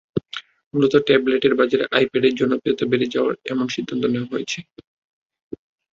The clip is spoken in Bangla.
মূলত ট্যাবলেটের বাজারে আইপ্যাডের জনপ্রিয়তা বেড়ে যাওয়ায় এমন সিদ্ধান্ত নেওয়া হয়েছে।